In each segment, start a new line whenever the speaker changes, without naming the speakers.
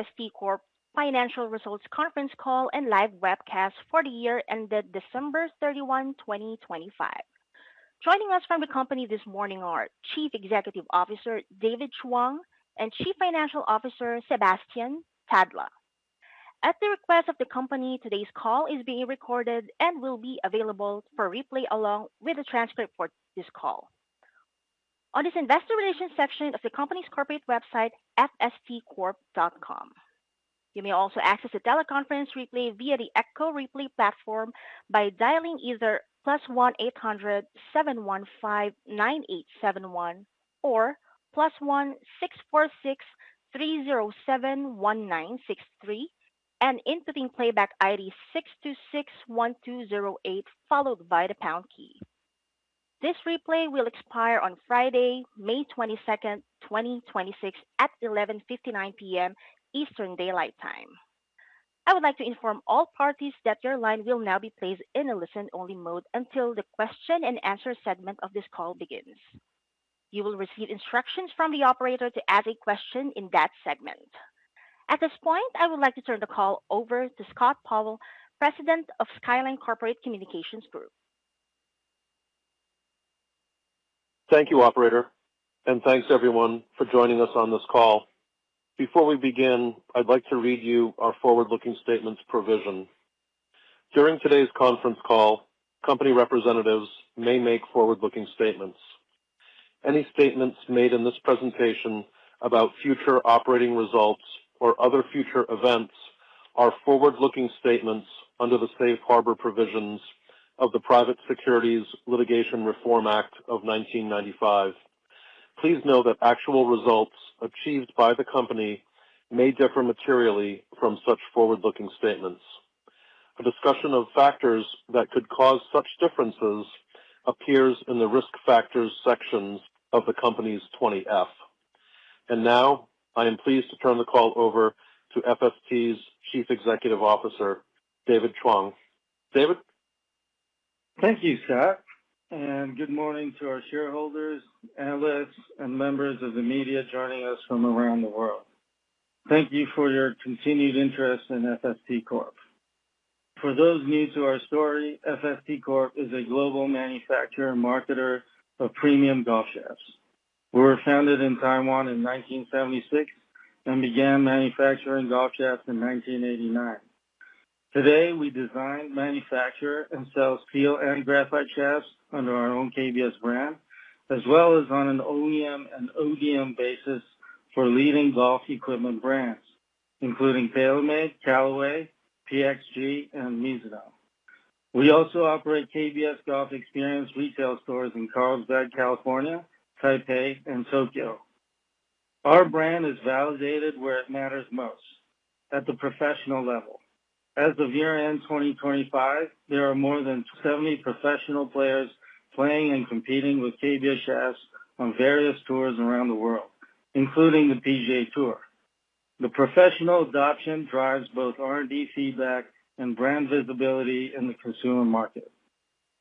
FST Corp Financial Results Conference Call and live webcast for the year ended December 31, 2025. Joining us from the company this morning are Chief Executive Officer, David Chuang, and Chief Financial Officer, Sebastian Tadla. At the request of the company, today's call is being recorded and will be available for replay along with a transcript for this call on the investor relations section of the company's corporate website, fstcorp.com. You may also access the teleconference replay via the Echo Replay platform by dialing either +1-800-715-9871 or +1-646-307-1963 and inputting playback ID 6261208, followed by the pound key. This replay will expire on Friday, May 22nd, 2026 at 11:59 P.M. Eastern Daylight Time. I would like to inform all parties that your line will now be placed in a listen-only mode until the question and answer segment of this call begins. You will receive instructions from the operator to ask a question in that segment. At this point, I would like to turn the call over to Scott Powell, President of Skyline Corporate Communications Group.
Thank you, operator. Thanks everyone for joining us on this call. Before we begin, I'd like to read you our forward-looking statements provision. During today's conference call, company representatives may make forward-looking statements. Any statements made in this presentation about future operating results or other future events are forward-looking statements under the safe harbor provisions of the Private Securities Litigation Reform Act of 1995. Please know that actual results achieved by the company may differ materially from such forward-looking statements. A discussion of factors that could cause such differences appears in the Risk Factors sections of the company's 20F. Now, I am pleased to turn the call over to FST's Chief Executive Officer, David Chuang. David?
Thank you, Scott, and good morning to our shareholders, analysts, and members of the media joining us from around the world. Thank you for your continued interest in FST Corp. For those new to our story, FST Corp is a global manufacturer and marketer of premium golf shafts. We were founded in Taiwan in 1976 and began manufacturing golf shafts in 1989. Today, we design, manufacture, and sell steel and graphite shafts under our own KBS brand, as well as on an OEM and ODM basis for leading golf equipment brands, including TaylorMade, Callaway, PXG, and Mizuno. We also operate KBS Golf Experience retail stores in Carlsbad, California, Taipei, and Tokyo. Our brand is validated where it matters most, at the professional level. As of year-end 2025, there are more than 70 professional players playing and competing with KBS shafts on various tours around the world, including the PGA Tour. The professional adoption drives both R&D feedback and brand visibility in the consumer market.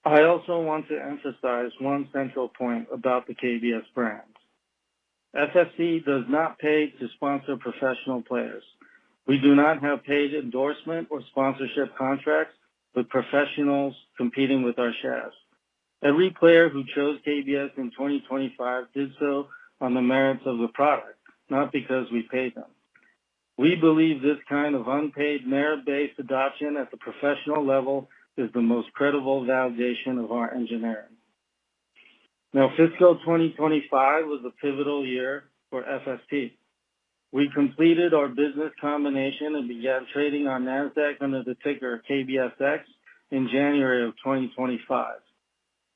I also want to emphasize one central point about the KBS brand. FST does not pay to sponsor professional players. We do not have paid endorsement or sponsorship contracts with professionals competing with our shafts. Every player who chose KBS in 2025 did so on the merits of the product, not because we paid them. We believe this kind of unpaid, merit-based adoption at the professional level is the most credible validation of our engineering. Fiscal 2025 was a pivotal year for FST. We completed our business combination and began trading on NASDAQ under the ticker KBSX in January of 2025.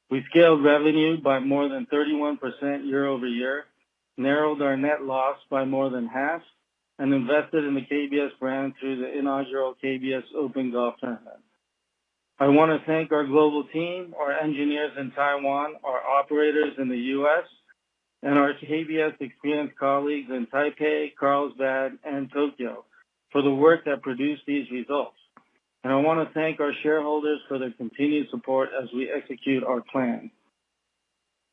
We scaled revenue by more than 31% year-over-year, narrowed our net loss by more than half, and invested in the KBS brand through the inaugural KBS Open Golf Tournament. I want to thank our global team, our engineers in Taiwan, our operators in the U.S., and our KBS Experience colleagues in Taipei, Carlsbad, and Tokyo for the work that produced these results. I want to thank our shareholders for their continued support as we execute our plan.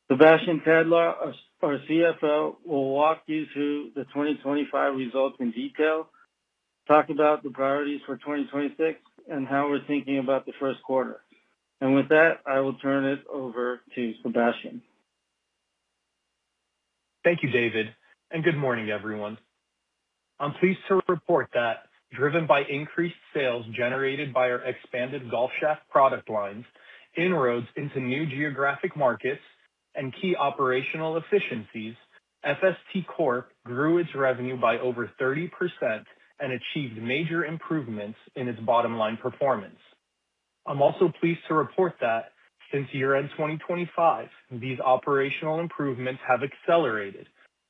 Sebastian Tadla, our CFO, will walk you through the 2025 results in detail, talk about the priorities for 2026, and how we're thinking about the first quarter. With that, I will turn it over to Sebastian.
Thank you, David, and good morning, everyone. I'm pleased to report that driven by increased sales generated by our expanded golf shaft product lines, inroads into new geographic markets, and key operational efficiencies, FST Corp grew its revenue by over 30% and achieved major improvements in its bottom line performance. I'm also pleased to report that since year-end 2025, these operational improvements have accelerated,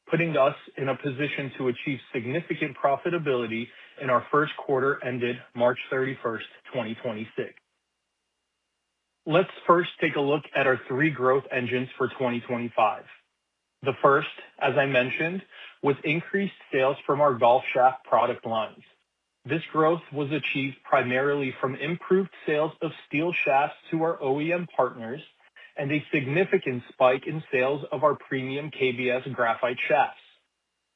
putting us in a position to achieve significant profitability in our first quarter ended March 31st, 2026. Let's first take a look at our three growth engines for 2025. The first, as I mentioned, was increased sales from our golf shaft product line. This growth was achieved primarily from improved sales of steel shafts to our OEM partners and a significant spike in sales of our premium KBS Graphite shafts.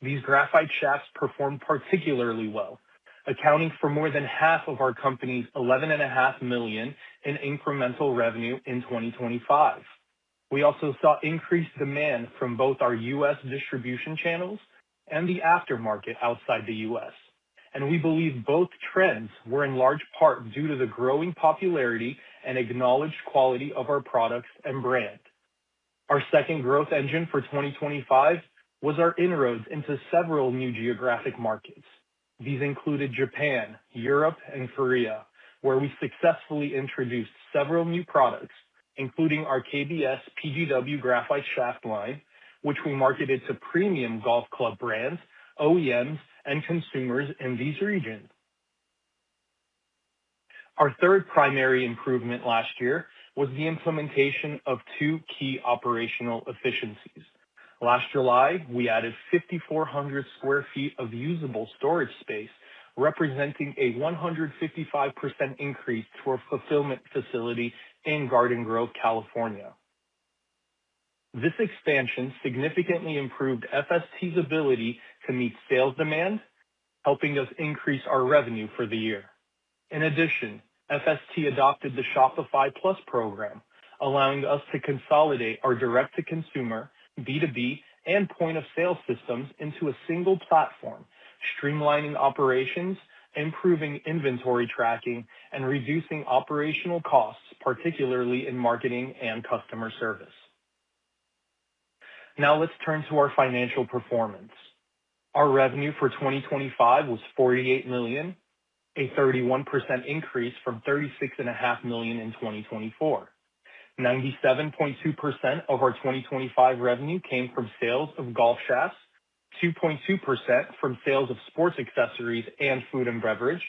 These graphite shafts performed particularly well, accounting for more than half of our company's $11.5 million in incremental revenue in 2025. We also saw increased demand from both our U.S. distribution channels and the aftermarket outside the U.S., and we believe both trends were in large part due to the growing popularity and acknowledged quality of our products and brand. Our second growth engine for 2025 was our inroads into several new geographic markets. These included Japan, Europe, and Korea, where we successfully introduced several new products, including our KBS PGI Graphite Shaft line, which we marketed to premium golf club brands, OEMs, and consumers in these regions. Our third primary improvement last year was the implementation of two key operational efficiencies. Last July, we added 5,400 square feet of usable storage space, representing a 155% increase to our fulfillment facility in Garden Grove, California. This expansion significantly improved FST's ability to meet sales demand, helping us increase our revenue for the year. In addition, FST adopted the Shopify Plus program, allowing us to consolidate our direct-to-consumer, B2B, and point-of-sale systems into a single platform, streamlining operations, improving inventory tracking, and reducing operational costs, particularly in marketing and customer service. Now let's turn to our financial performance. Our revenue for 2025 was $48 million, a 31% increase from $36.5 million in 2024. 97.2% of our 2025 revenue came from sales of golf shafts, 2.2% from sales of sports accessories and food and beverage,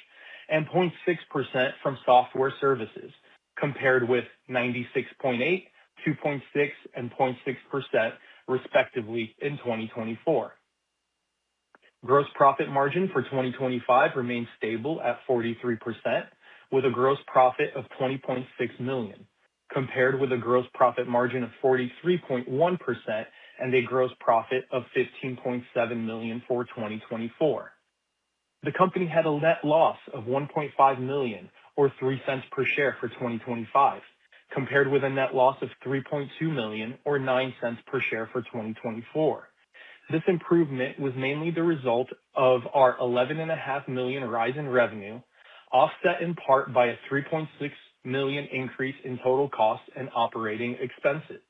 and 0.6% from software services, compared with 96.8%, 2.6%, and 0.6%, respectively, in 2024. Gross profit margin for 2025 remained stable at 43%, with a gross profit of $20.6 million, compared with a gross profit margin of 43.1% and a gross profit of $15.7 million for 2024. The company had a net loss of $1.5 million, or $0.03 per share for 2025, compared with a net loss of $3.2 million or $0.09 per share for 2024. This improvement was mainly the result of our $11.5 million rise in revenue, offset in part by a $3.6 million increase in total costs and operating expenses.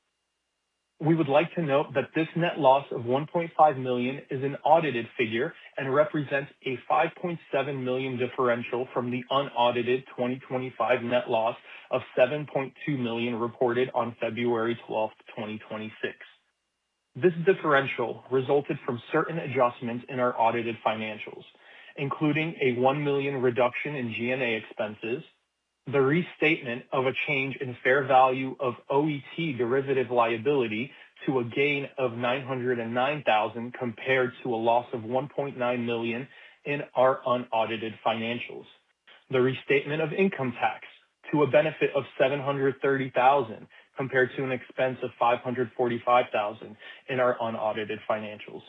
We would like to note that this net loss of $1.5 million is an audited figure and represents a $5.7 million differential from the unaudited 2025 net loss of $7.2 million reported on February 12th, 2026. This differential resulted from certain adjustments in our audited financials, including a $1 million reduction in G&A expenses, the restatement of a change in fair value of OET derivative liability to a gain of $909,000 compared to a loss of $1.9 million in our unaudited financials, the restatement of income tax to a benefit of $730,000 compared to an expense of $545,000 in our unaudited financials,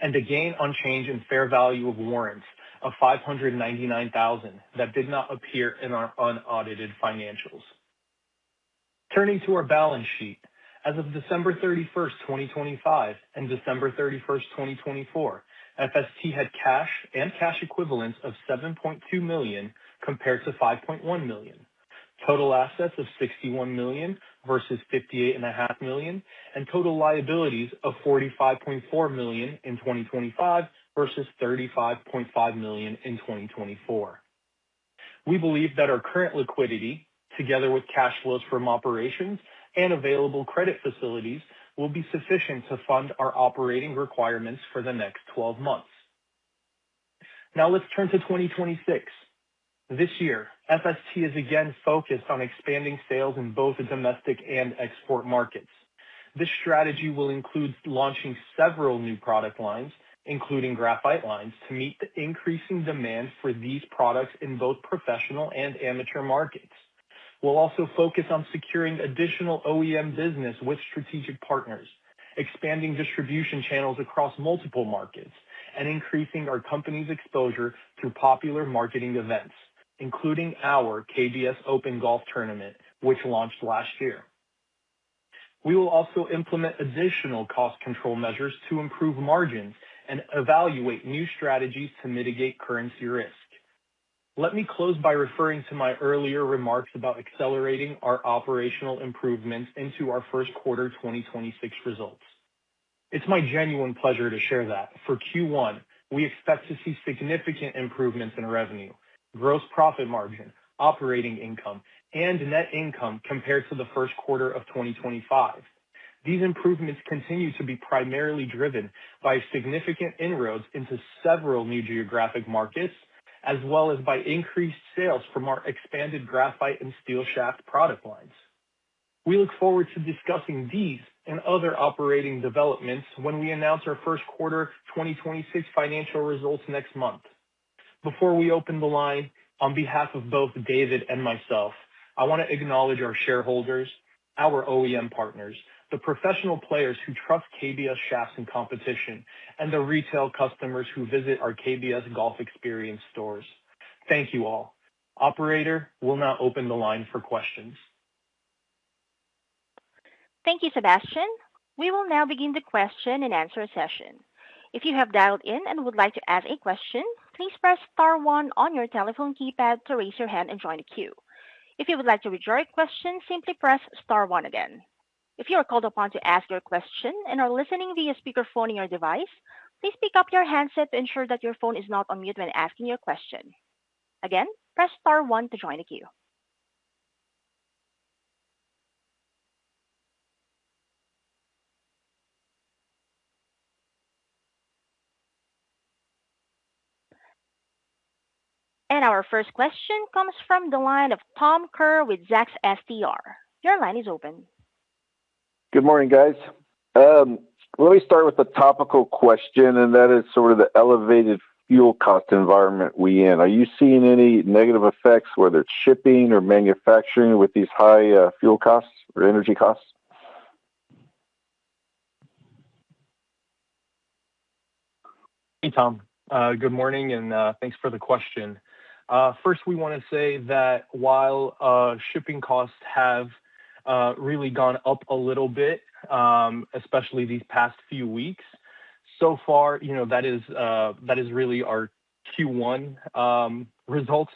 and a gain on change and fair value of warrants of $599,000 that did not appear in our unaudited financials. Turning to our balance sheet. As of December 31st, 2025 and December 31st, 2024, FST had cash and cash equivalents of $7.2 million, compared to $5.1 million. Total assets of $61 million versus $58.5 million, and total liabilities of $45.4 million in 2025 versus $35.5 million in 2024. We believe that our current liquidity, together with cash flows from operations and available credit facilities, will be sufficient to fund our operating requirements for the next 12 months. Now let's turn to 2026. This year, FST is again focused on expanding sales in both the domestic and export markets. This strategy will include launching several new product lines, including graphite lines, to meet the increasing demand for these products in both professional and amateur markets. We'll also focus on securing additional OEM business with strategic partners, expanding distribution channels across multiple markets, and increasing our company's exposure through popular marketing events, including our KBS Open Golf Tournament, which launched last year. We will also implement additional cost control measures to improve margins and evaluate new strategies to mitigate currency risk. Let me close by referring to my earlier remarks about accelerating our operational improvements into our first quarter 2026 results. It's my genuine pleasure to share that for Q1, we expect to see significant improvements in revenue, gross profit margin, operating income, and net income compared to the first quarter of 2025. These improvements continue to be primarily driven by significant inroads into several new geographic markets, as well as by increased sales from our expanded graphite and steel shaft product lines. We look forward to discussing these and other operating developments when we announce our first quarter 2026 financial results next month. Before we open the line, on behalf of both David and myself, I want to acknowledge our shareholders, our OEM partners, the professional players who trust KBS shafts in competition, and the retail customers who visit our KBS Golf Experience stores. Thank you all. Operator, we'll now open the line for questions.
Thank you, Sebastian. We will now begin the question and answer session. If you have dialed in and would like to ask a question, please press star one on your telephone keypad to raise your hand and join the queue. If you would like to withdraw your question, simply press star one again. If you are called upon to ask your question and are listening via speakerphone in your device, please pick up your handset to ensure that your phone is not on mute when asking your question. Again, press star one to join the queue. Our first question comes from the line of Tom Kerr with Zacks SDR. Your line is open.
Good morning, guys. Let me start with a topical question, that is sort of the elevated fuel cost environment we in. Are you seeing any negative effects, whether it's shipping or manufacturing, with these high fuel costs or energy costs?
Good morning. Thanks for the question. First, we want to say that while shipping costs have really gone up a little bit, especially these past few weeks, so far, that is really our Q1 results.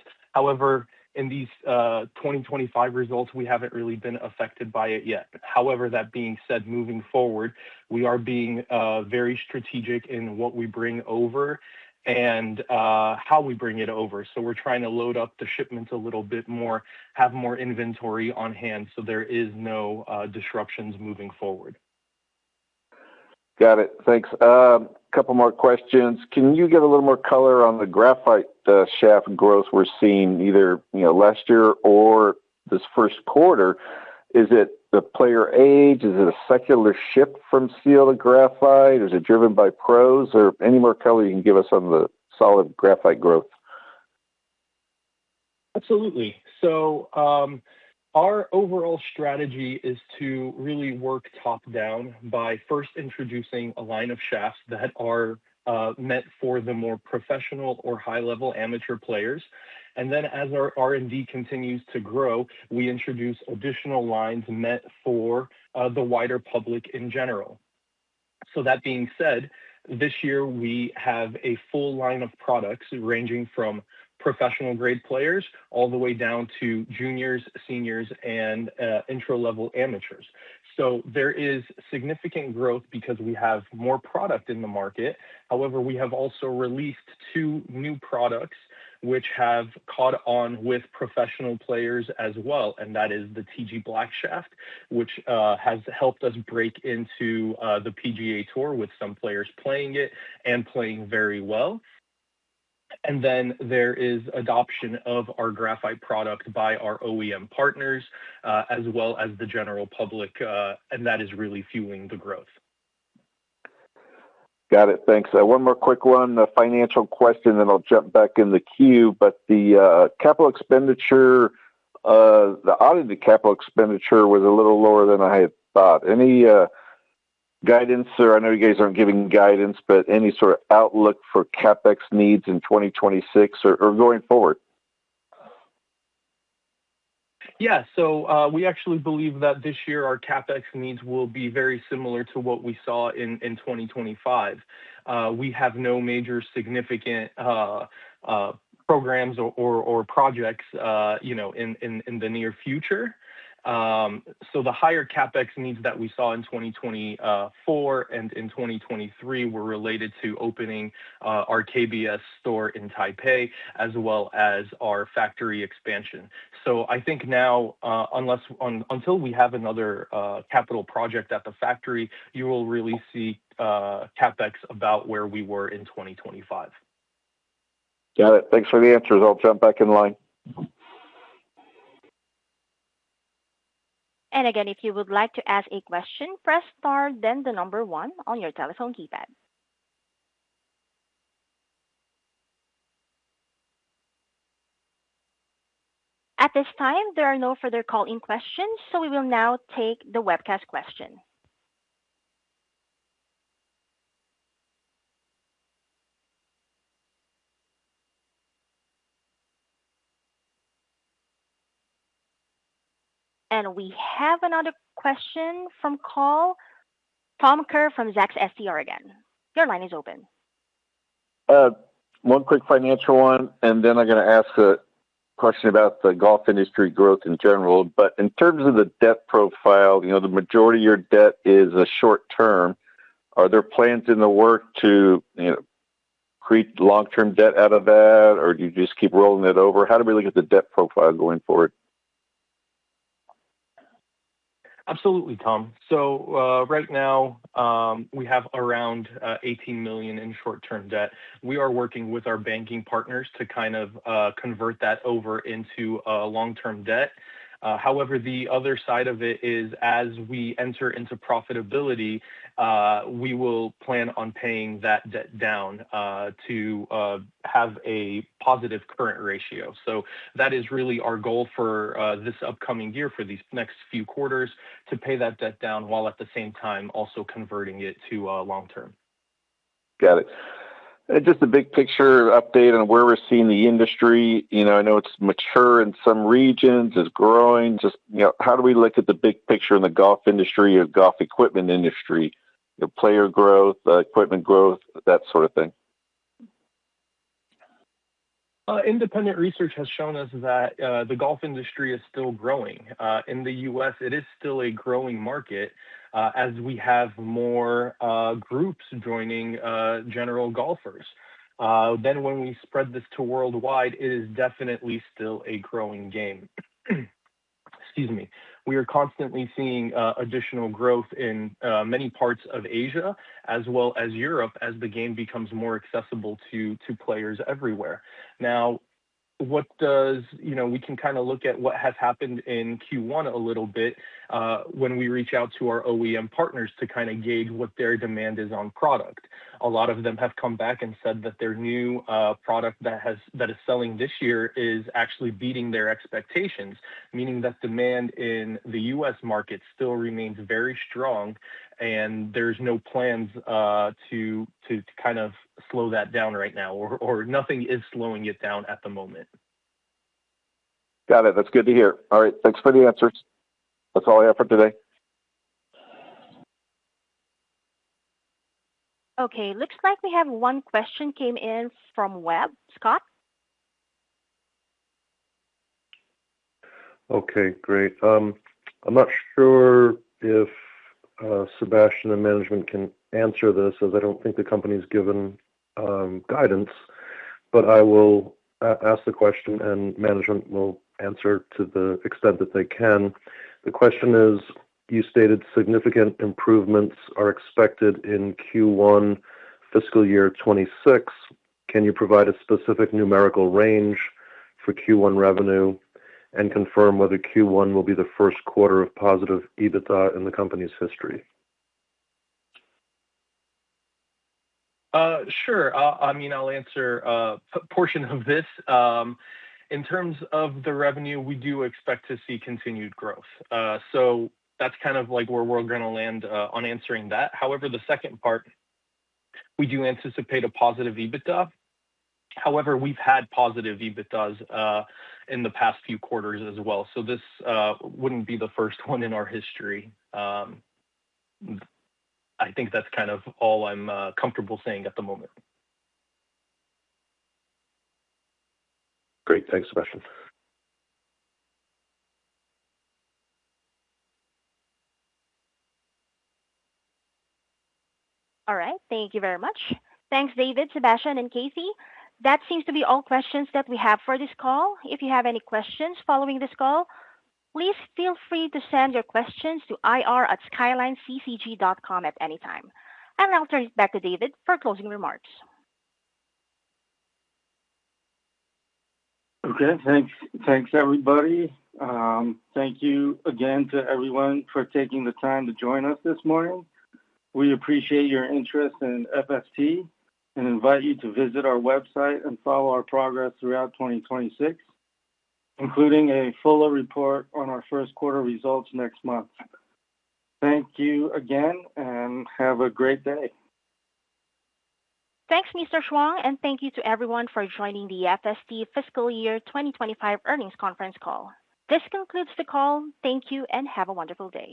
In these 2025 results, we haven't really been affected by it yet. That being said, moving forward, we are being very strategic in what we bring over and how we bring it over. We're trying to load up the shipments a little bit more, have more inventory on hand, so there is no disruptions moving forward.
Got it. Thanks. Couple more questions. Can you give a little more color on the graphite shaft growth we're seeing either last year or this first quarter? Is it the player age? Is it a secular shift from steel to graphite? Is it driven by pros? Any more color you can give us on the solid graphite growth?
Absolutely. Our overall strategy is to really work top down by first introducing a line of shafts that are meant for the more professional or high-level amateur players. As our R&D continues to grow, we introduce additional lines meant for the wider public in general. That being said, this year we have a full line of products ranging from professional grade players all the way down to juniors, seniors, and intro level amateurs. There is significant growth because we have more product in the market. We have also released two new products which have caught on with professional players as well, and that is the TG Black shaft, which has helped us break into the PGA Tour with some players playing it and playing very well. There is adoption of our graphite product by our OEM partners, as well as the general public, and that is really fueling the growth.
Got it. Thanks. One more quick one, a financial question, then I'll jump back in the queue. The capital expenditure, the audit of the capital expenditure was a little lower than I had thought. Any guidance, or I know you guys aren't giving guidance, but any sort of outlook for CapEx needs in 2026 or going forward?
Yeah. We actually believe that this year our CapEx needs will be very similar to what we saw in 2025. We have no major significant programs or projects in the near future. The higher CapEx needs that we saw in 2024 and in 2023 were related to opening our KBS store in Taipei as well as our factory expansion. I think now, until we have another capital project at the factory, you will really see CapEx about where we were in 2025.
Got it. Thanks for the answers. I'll jump back in line.
Again, if you would like to ask a question, press star then the number 1 on your telephone keypad. At this time, there are no further call-in questions, we will now take the webcast question. We have another question from call. Tom Kerr from Zacks SDR again. Your line is open.
One quick financial one, I'm going to ask a question about the golf industry growth in general. In terms of the debt profile, the majority of your debt is short-term. Are there plans in the work to create long-term debt out of that, or do you just keep rolling it over? How do we look at the debt profile going forward?
Absolutely, Tom. Right now, we have around $18 million in short-term debt. We are working with our banking partners to kind of convert that over into a long-term debt. However, the other side of it is, as we enter into profitability, we will plan on paying that debt down to have a positive current ratio. That is really our goal for this upcoming year, for these next few quarters, to pay that debt down while at the same time also converting it to long-term.
Got it. Just a big picture update on where we're seeing the industry. I know it's mature in some regions, it's growing. Just how do we look at the big picture in the golf industry or golf equipment industry? Player growth, equipment growth, that sort of thing.
Independent research has shown us that the golf industry is still growing. In the U.S., it is still a growing market as we have more groups joining, general golfers. When we spread this to worldwide, it is definitely still a growing game. Excuse me. We are constantly seeing additional growth in many parts of Asia as well as Europe as the game becomes more accessible to players everywhere. We can look at what has happened in Q1 a little bit when we reach out to our OEM partners to gauge what their demand is on product. A lot of them have come back and said that their new product that is selling this year is actually beating their expectations, meaning that demand in the U.S. market still remains very strong and there's no plans to slow that down right now, or nothing is slowing it down at the moment.
Got it. That's good to hear. All right. Thanks for the answers. That's all I have for today.
Okay. Looks like we have one question came in from web. Scott?
Okay, great. I'm not sure if Sebastian and management can answer this, as I don't think the company's given guidance, but I will ask the question and management will answer to the extent that they can. The question is, you stated significant improvements are expected in Q1 fiscal year 2026. Can you provide a specific numerical range for Q1 revenue and confirm whether Q1 will be the first quarter of positive EBITDA in the company's history?
Sure. I'll answer a portion of this. In terms of the revenue, we do expect to see continued growth. That's where we're gonna land on answering that. However, the second part, we do anticipate a positive EBITDA. However, we've had positive EBITDAs in the past few quarters as well, so this wouldn't be the first one in our history. I think that's all I'm comfortable saying at the moment.
Great. Thanks, Sebastian.
All right. Thank you very much. Thanks, David, Sebastian, and Casey. That seems to be all questions that we have for this call. If you have any questions following this call, please feel free to send your questions to ir@skylineccg.com at any time. I'll now turn it back to David for closing remarks.
Okay. Thanks, everybody. Thank you again to everyone for taking the time to join us this morning. We appreciate your interest in FST and invite you to visit our website and follow our progress throughout 2026, including a fuller report on our first quarter results next month. Thank you again. Have a great day.
Thanks, Mr. Chuang, and thank you to everyone for joining the FST Fiscal Year 2025 Earnings Conference Call. This concludes the call. Thank you and have a wonderful day